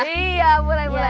iya mulai mulai